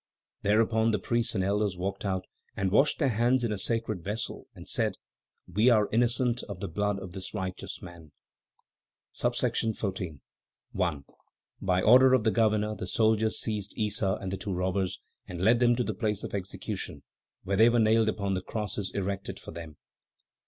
Thereupon the priests and elders walked out, and washed their hands in a sacred vessel, and said: "We are innocent of the blood of this righteous man." XIV. 1. By order of the governor, the soldiers seized Issa and the two robbers, and led them to the place of execution, where they were nailed upon the crosses erected for them.